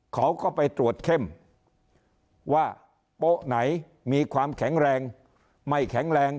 เขาก็ไปตรวจเข้มว่าโป๊ะไหนมีความแข็งแรงไม่แข็งแรง